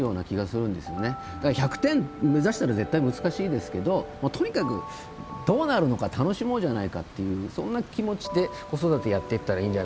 １００点目指したら絶対難しいですけどとにかくどうなるのか楽しもうじゃないかっていうそんな気持ちで子育てやってったらいいんじゃないかなと思いますね。